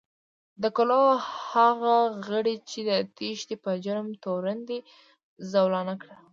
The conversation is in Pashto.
د کلو هغه غړي چې د تېښتې په جرم تورن دي، زولانه کړي